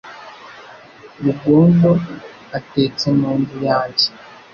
Rugondo atetse mu nzu yanjye.